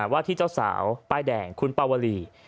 ว่าที่เจ้าสาวป้ายแดงคุณปาวลี